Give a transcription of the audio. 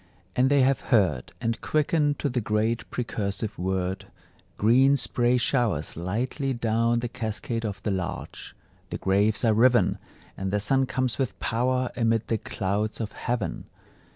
And they have heard, And quicken to the great precursive word; Green spray showers lightly down the cascade of the larch; The graves are riven, And the Sun comes with power amid the clouds of heaven!